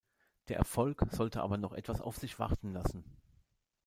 Der Erfolg sollte aber noch etwas auf sich warten lassen.